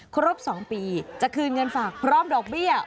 ครบ๒ปีจะคืนเงินฝากพร้อมดอกเบี้ย